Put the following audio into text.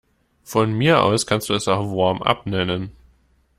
Von mir aus kannst du es auch Warmup nennen.